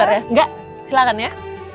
enggak silahkan ya